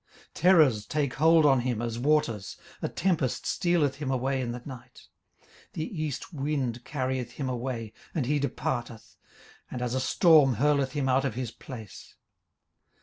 18:027:020 Terrors take hold on him as waters, a tempest stealeth him away in the night. 18:027:021 The east wind carrieth him away, and he departeth: and as a storm hurleth him out of his place.